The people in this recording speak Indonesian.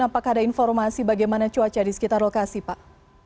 apakah ada informasi bagaimana cuaca di sekitar lokasi pak